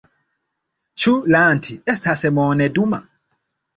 Ĉu Lanti estas monduma?